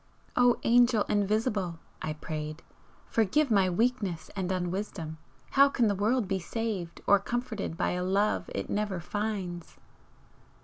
"O Angel invisible!" I prayed "Forgive my weakness and unwisdom! How can the world be saved or comforted by a Love it never finds!"